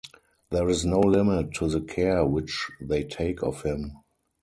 There is no limit to the care which they take of him.